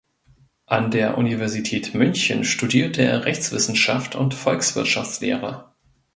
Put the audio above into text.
An der Universität München studierte er Rechtswissenschaft und Volkswirtschaftslehre.